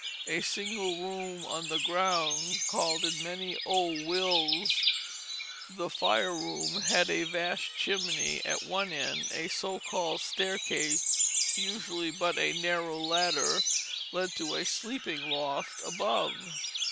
A single room on the ground, called in many old wills the fire room, had a vast chimney at one end. A so called staircase, usually but a narrow ladder, led to a sleeping loft above.